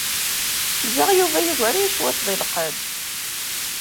Ẓriɣ Yuba yugar-iyi cwiṭ deg lqedd.